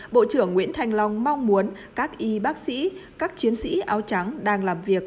bộ trưởng nguyễn thanh long mong muốn các y bác sĩ các chiến sĩ áo trắng đang làm việc